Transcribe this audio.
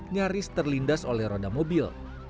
nyaris terlindas oleh roda mobil